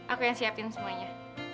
aku yang siapin semuanya